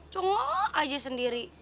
congok aja sendiri